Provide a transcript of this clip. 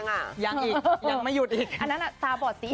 ยักษ์อีกยักษ์อีกยังไม่หยุดอีกอันนั้นน่ะต้าบอกสีดิ